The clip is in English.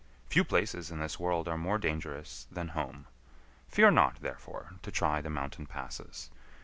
Few places in this world are more dangerous than home. Fear not, therefore, to try the mountain passes.